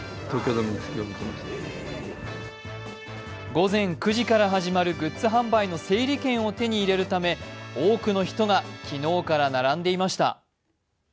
午前９時から始まるグッズ販売の整理券を手に入れるため多くの人が昨日から並んでいました。